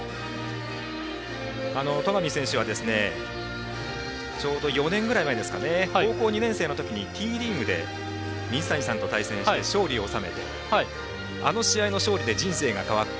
戸上選手はちょうど４年ぐらい前ですかね高校２年生の時にＴリーグで水谷さんと対戦して勝利を収めてあの試合の勝利で人生が変わった。